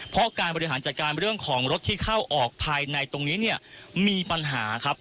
เพราะการบริหารจัดการเรื่องของรถที่เข้าออกภายในตรงนี้เนี่ยมีปัญหาครับ